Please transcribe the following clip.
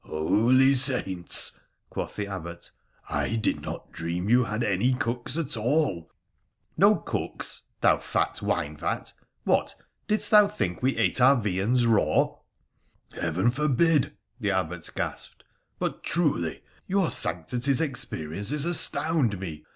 ' Holy saints !' quoth the Abbot. ' I did not dream you had any cooks at all.' ' No cooks ! Thou fat wine vat, what, didst thou think W0 ate our viands raw ?' PHRA THE PHCENICIAN 119 ' Heaven forbid !' the Abbot gasped. ' But, truly, your sanctity's experiences astound me